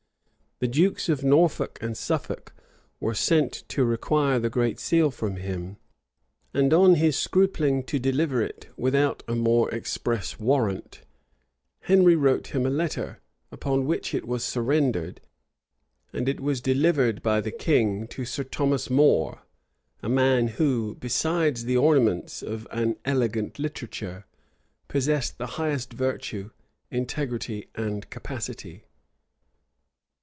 The dukes of Norfolk and Suffolk were sent to require the great seal from him; and on his scrupling to deliver it[*] without a more express warrant, Henry wrote him a letter, upon which it was surrendered; and it was delivered by the king to Sir Thomas More, a man who, besides the ornaments of an elegant literature, possessed the highest virtue, integrity, and capacity.